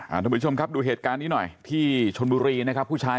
อ่าทุกคุณผู้ชมครับดูเหตุการณ์นี้หน่อยที่ใช่